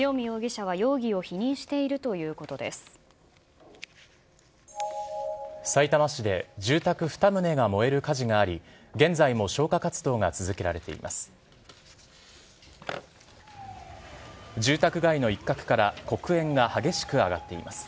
さいたま市で住宅２棟が燃える火事があり、現在も消火活動が続けられています。